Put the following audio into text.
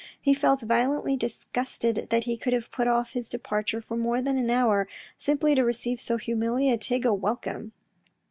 He felt violently disgusted that he could have put off his departure for more than an hour, simply to receive so hum ilia tig a welcome.